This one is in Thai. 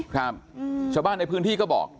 ครับชาวบ้านในพื้นที่ก็บอก